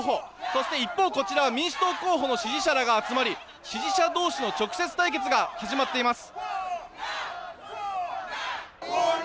そして、一方こちらは民主党候補の支持者らが集まり支持者同士の直接対決が始まっています。